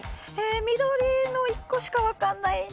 緑の１個しか分かんないんです。